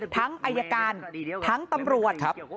อายการทั้งตำรวจครับ